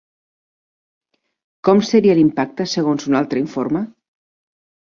Com seria l'impacte segons un altre informe?